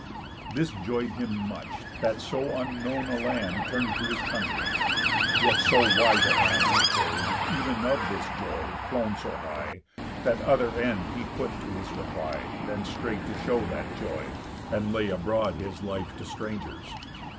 This joy'd him much, that so unknown a land Turn'd to his country. Yet so wise a hand He carried, ev'n of this joy, flown so high, That other end he put to his reply Than straight to show that joy, and lay abroad His life to strangers.